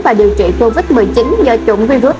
và điều trị covid một mươi chín do chủng virus